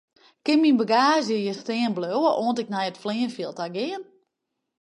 Kin myn bagaazje hjir stean bliuwe oant ik nei it fleanfjild ta gean?